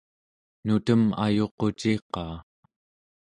nutem ayuquciqaa